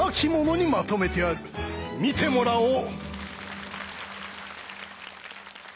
見てもらおう！